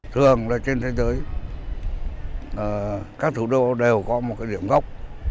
thường trên thế giới các thủ đô đều có một điểm gốc